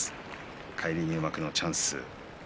返り入幕のチャンス。